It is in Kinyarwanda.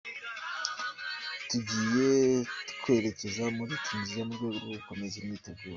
Tugiye kwerekeza muri Tunisia mu rwego rwo gukomeza imyiteguro.